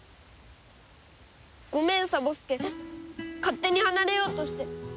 ごめんサボ助勝手に離れようとして。